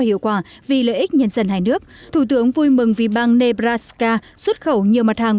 hiệu quả vì lợi ích nhân dân hai nước thủ tướng vui mừng vì bang nebraska xuất khẩu nhiều mặt hàng